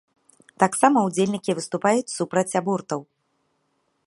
Таксама ўдзельнікі выступаюць супраць абортаў.